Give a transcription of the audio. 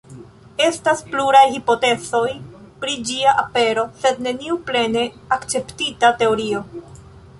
Estas pluraj hipotezoj pri ĝia apero, sed neniu plene akceptita teorio.